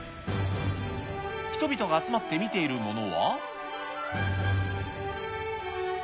人々が集まって見ているものは。